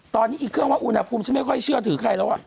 ตอนนี้อีกเครื่องว่าอุณหภูมิฉันไม่ค่อยเชื่อถือใครแล้ว